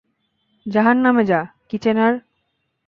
জাহান্নামে যা, কিচ্যানার!